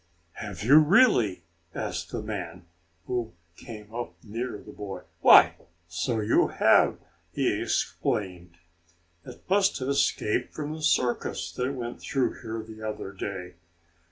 "Have you, really?" asked a man, who came up near the boy. "Why, so you have!" he exclaimed. "It must have escaped from the circus that went through here the other day."